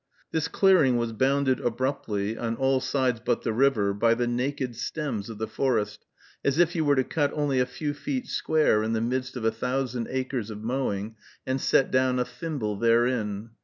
This clearing was bounded abruptly, on all sides but the river, by the naked stems of the forest, as if you were to cut only a few feet square in the midst of a thousand acres of mowing, and set down a thimble therein.